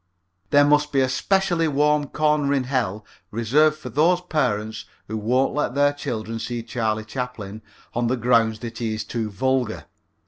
There must be a specially warm corner in Hell reserved for those parents who won't let their children see Charlie Chaplin on the ground that he is too vulgar.